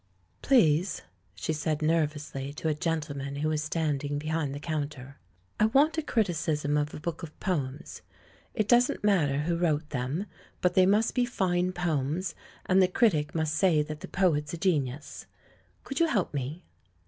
"Please," she said nervously to a gentleman who was standing behind the counter, "I want a criticism of a book of poems. It doesn't mat ter who wrote them, but they must be fine poems, and the critic must say that the poet's a genius. ... Could you help me?"